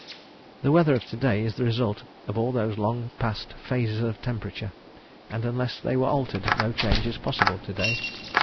The weather of to day is the result of all those long past phases of temperature, and, unless they were altered, no change is pos sible to day.